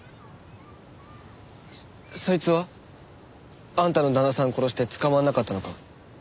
そそいつは？あんたの旦那さん殺して捕まらなかったのか？